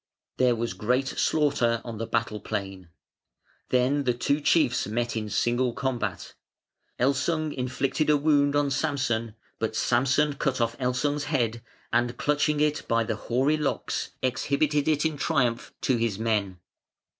There was great slaughter on the battle plain. Then the two chiefs met in single combat. Elsung inflicted a wound on Samson, but Samson cut off Elsung's head and clutching it by the hoary locks exhibited it in triumph to his men.